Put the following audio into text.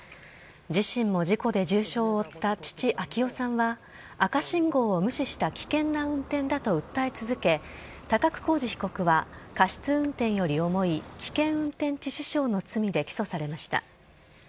自身も事故で重傷を負った父、暁生さんは赤信号を無視した危険な運転だと訴え続け、高久浩二被告は過失運転より重い危険運転致死傷の罪で起訴されました。